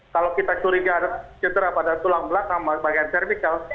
kalau kita curiga cedera pada tulang belakang bagian vertikal